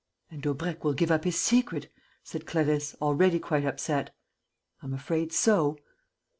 "And Daubrecq will give up his secret," said Clarisse, already quite upset. "I'm afraid so."